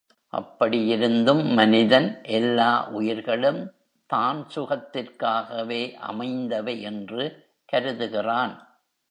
அப்படியிருந்தும் மனிதன் எல்லா உயிர்களும் தான் சுகத்திற்காகவே அமைந்தவை என்று கருதுகிறான்.